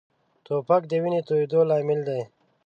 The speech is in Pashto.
توپک د وینې تویېدو لامل دی.